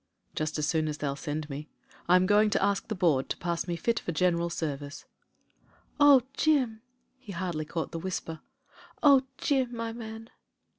"Just as soon as they'll send me. I am going to ask the Board to pass me fit *for General Service.' " "Oh, Jim!"— he hardly caught the whisper. "Oh, Jim ! my man."